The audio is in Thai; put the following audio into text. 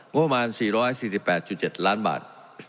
ประมาณ๔๔๘๗ล้านบาท